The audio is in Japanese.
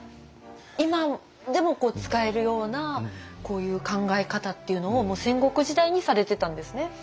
今でも使えるようなこういう考え方っていうのをもう戦国時代にされてたんですね。